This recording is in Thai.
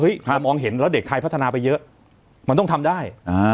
เรามองเห็นแล้วเด็กไทยพัฒนาไปเยอะมันต้องทำได้